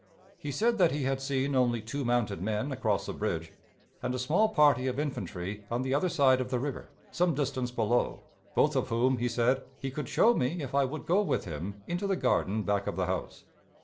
He said that he had seen only two mounted men across the bridge, and a small party of infantry on the other side of the river, some distance below, both of whom, he said, he could show me if I would go with him into the garden back of the house.